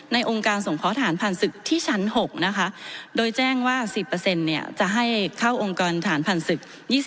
องค์การส่งเพาะฐานผ่านศึกที่ชั้น๖นะคะโดยแจ้งว่า๑๐จะให้เข้าองค์กรฐานผ่านศึก๒๐